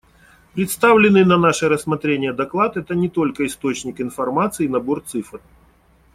Представленный на наше рассмотрение доклад — это не только источник информации и набор цифр.